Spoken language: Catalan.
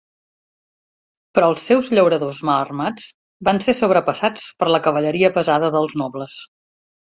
Però els seus llauradors mal armats van ser sobrepassats per la cavalleria pesada dels nobles.